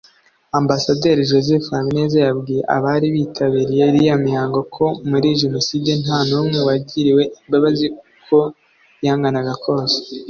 Ambasaderi Joseph Habineza yabwiye abari bitabiriye iriya mihango ko muri Jenoside nta numwe wagiriwe imbabazi uko yanganaga kose